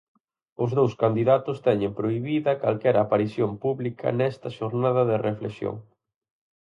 Os dous candidatos teñen prohibida calquera aparición pública nesta xornada de reflexión.